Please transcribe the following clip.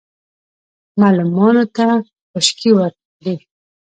معلمانو ته خشکې وکړې.